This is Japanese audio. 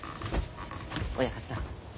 親方